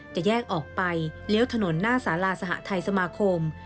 จะแยกออกไปเลี้ยวถนนหน้าสาราสหทัยสมาคม